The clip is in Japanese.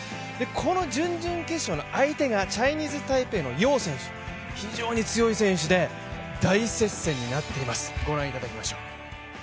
この準々決勝の相手がチャイニーズ・タイペイの楊選手、非常に強い選手で、大接戦になっています。